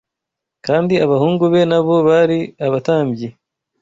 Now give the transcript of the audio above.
Kandi abahungu be na bo bari abatambyi